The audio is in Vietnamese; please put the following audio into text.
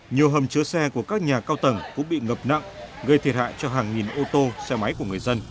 nhiều hầm chứa xe của các nhà cao tầng cũng bị ngập nặng gây thiệt hại cho hàng nghìn ô tô xe máy của người dân